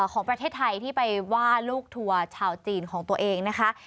ของประเทศไทยที่ไปว่าลูกทัวร์ชาวจีนของตัวเองนะคะ